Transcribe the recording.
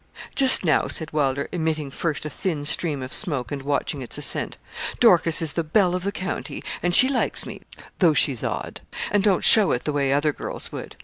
'Just now,' said Wylder, emitting first a thin stream of smoke, and watching its ascent. 'Dorcas is the belle of the county; and she likes me, though she's odd, and don't show it the way other girls would.